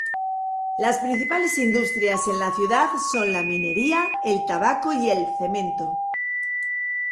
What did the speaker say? Las principales industrias en la ciudad son la minería, el tabaco y el cemento.